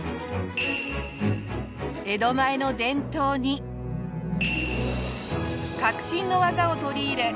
江戸前の伝統に革新の技を取り入れ